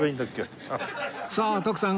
さあ徳さん